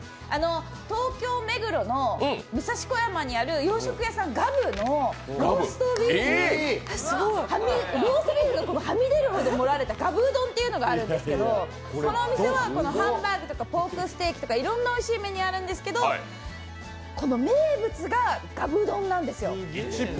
東京・目黒の武蔵小山にある洋食屋さんがぶのローストビーフがはみ出るほど盛られたがぶ丼というのがあるんですけど、このお店はハンバーグやポークステーキなどいろんなおいしいメニューがあるんですけどこの名物が、がぶ丼なんですよ。